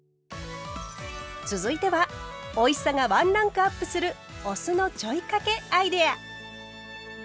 続いてはおいしさがワンランクアップするお酢のちょいかけアイデア！